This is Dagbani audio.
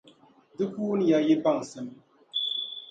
di kuuniya yi baŋsim.